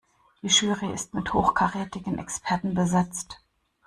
Die Jury ist mit hochkarätigen Experten besetzt.